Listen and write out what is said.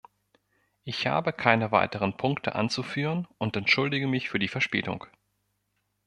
Ich habe keine weiteren Punkte anzuführen und entschuldige mich für die Verspätung.